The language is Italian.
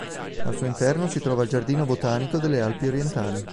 Al suo interno si trova il Giardino botanico delle Alpi Orientali.